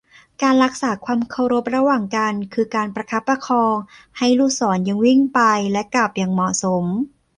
การรักษาความเคารพระหว่างกัน คือการประคับประคองให้ลูกศรยังวิ่งไปและกลับอย่างเหมาะสม